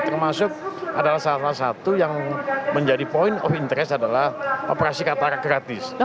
termasuk adalah salah satu yang menjadi point of interest adalah operasi katarak gratis